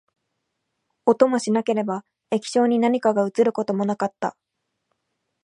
音もしなければ、液晶に何かが写ることもなかった